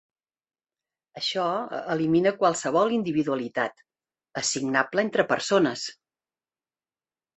Això elimina qualsevol individualitat assignable entre persones.